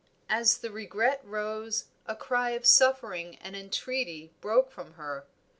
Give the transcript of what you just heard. As the regret rose, a cry of suffering and entreaty broke from her.